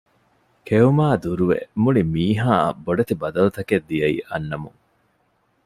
ކެއުމާއި ދުރުވެ މުޅި މީހާ އަށް ބޮޑެތި ބަދަލުތަކެއް ދިޔައީ އަންނަމުން